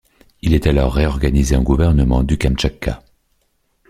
Il est alors réorganisé en gouvernement du Kamtchatka.